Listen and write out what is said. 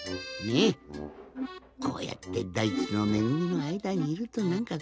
こうやってだいちのめぐみのあいだにいるとなんか